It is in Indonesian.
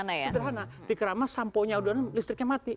sederhana di keramas sampo nya udah ada listriknya mati ya